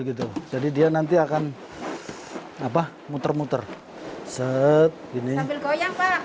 gitu jadi dia nanti akan apa muter muter set ini berkoyak pak